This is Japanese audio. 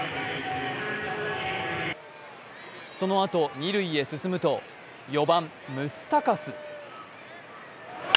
そのあと二塁へ進むと４番・ムスタカス。